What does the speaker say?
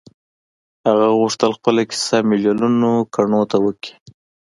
هغه غوښتل خپله کيسه ميليونو کڼو ته وکړي.